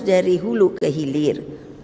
dari hulu ke hilir